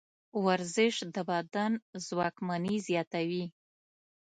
ورزش د بدن ځواکمني زیاتوي.